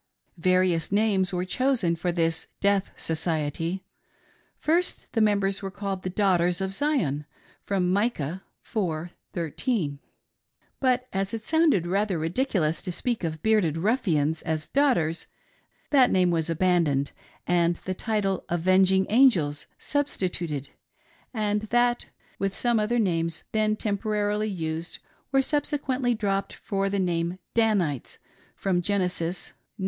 Various names were chosen for this " death society." First the members were called Daughters of Zion [from Micah iv. 13.J But as it sounded rather ridicu lous to speak of bearded ruffians as ' daughters,' that name was abandoned, and the title " Avenging Angels " substituted ; and that, with some other names then temporarily used, were subsequently dropped for the name " Danites " [from Genesis xlix.